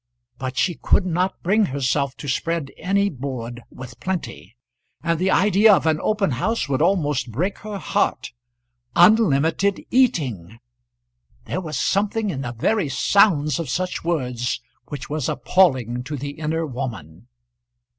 But she could not bring herself to spread any board with plenty, and the idea of an open house would almost break her heart. Unlimited eating! There was something in the very sounds of such words which was appalling to the inner woman.